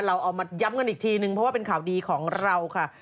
เราเอามาย้ำกันอีกทีนึงเพราะว่าเป็นข่าวดีของเราค่ะ